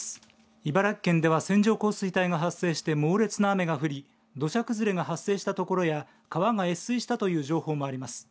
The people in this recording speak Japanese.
茨城県では線状降水帯が発生して猛烈な雨が降り土砂崩れが発生した所や川が越水したという情報もあります。